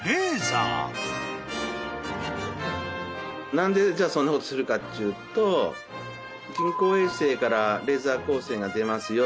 何でそんなことするかっちゅうと人工衛星からレーザー光線が出ますよ。